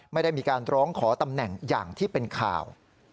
ไม่ได้มีการร้องขอตำแหน่งอย่างที่เป็นข่าว